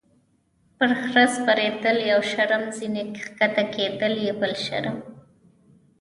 - پر خره سپرېدل یو شرم، ځینې کښته کېدل یې بل شرم.